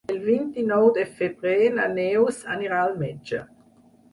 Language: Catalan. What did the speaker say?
El vint-i-nou de febrer na Neus anirà al metge.